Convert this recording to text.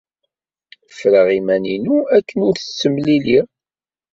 Ffreɣ iman-inu akken ur t-ttemliliɣ.